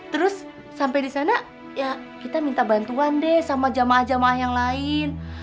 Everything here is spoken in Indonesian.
terus sampai di sana ya kita minta bantuan deh sama jamaah jamaah yang lain